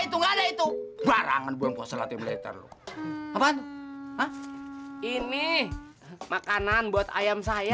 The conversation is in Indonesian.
itu enggak ada itu barangan beluan puasa latihan militer lu apaan ini makanan buat ayam saya